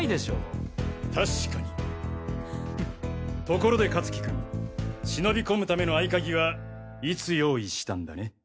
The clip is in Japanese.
ところで香月君忍び込むための合鍵はいつ用意したんだね？